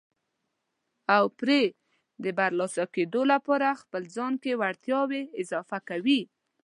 او پرې د برلاسه کېدو لپاره خپل ځان کې وړتیاوې اضافه کوي.